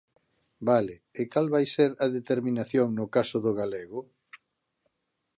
Vale, e cal vai ser a determinación no caso do galego?